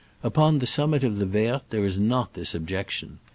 Upon the summit of the Verte there is not this objection.